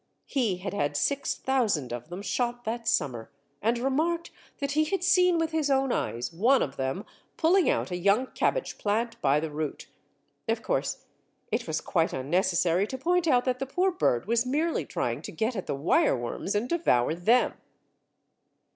He had had six thousand of them shot that summer, and remarked that he had seen with his own eyes one of them pulling out a young cabbage plant by the root. Of course it was quite unnecessary to point out that the poor bird was merely trying to get at the wireworms and devour them!